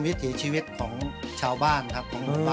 ภาษาอังกฤษ